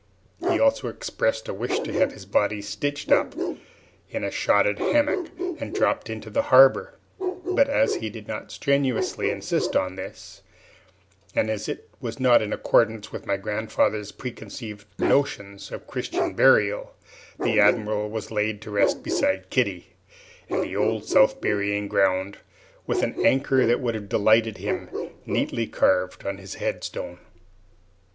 He also expressed a wish to have his body stitched up in a shotted hammock and dropped into the harbor; but as he did not strenuously insist on this, and as it was not in accordance with my grandfather's preconceived notions of Christian burial, the Admiral was laid to rest beside Kitty, in the Old South Burying Ground, with an anchor that would have delighted him neatly carved on his headstone.